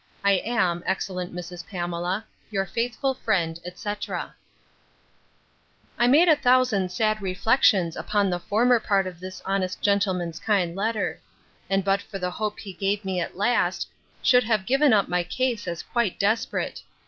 I am, excellent Mrs. Pamela, 'Your faithful friend, etc.' I made a thousand sad reflections upon the former part of this honest gentleman's kind letter; and but for the hope he gave me at last, should have given up my case as quite desperate.